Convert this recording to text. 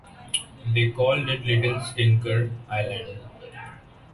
They called it Little Stinker Island.